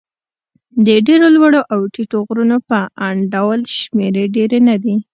د ډېرو لوړو او ټیټو غرونو په انډول شمېرې ډېرې نه دي.